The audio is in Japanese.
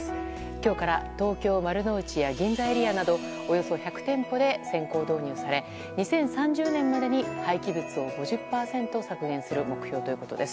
今日から東京・丸の内や銀座エリアなどおよそ１００店舗で先行導入され２０３０年までに廃棄物を５０％削減する目標ということです。